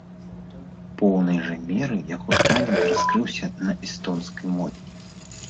У поўнай жа меры яго талент раскрыўся на эстонскай мове.